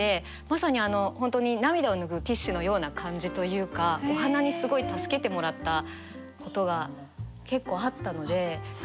まさに本当に涙を拭うティッシュのような感じというかお花にすごい助けてもらったことが結構あったので何か分かるなみたいな。